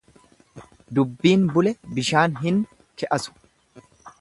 Dubbiin bule bishaan hin keasu.